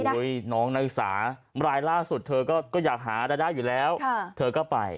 น้องนักศึกษารายล่าสุดเธอก็อยากหารายได้อยู่แล้วเธอก็ไป